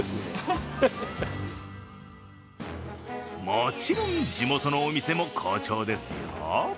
もちろん地元のお店も好調ですよ。